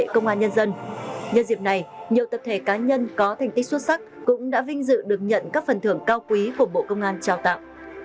cũng đã vinh dự được nhận các phần thưởng cao quý của bộ công an trao tạo